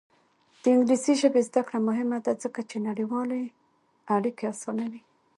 د انګلیسي ژبې زده کړه مهمه ده ځکه چې نړیوالې اړیکې اسانوي.